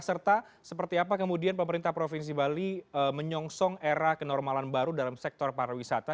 serta seperti apa kemudian pemerintah provinsi bali menyongsong era kenormalan baru dalam sektor pariwisata